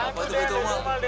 apa itu baitulmal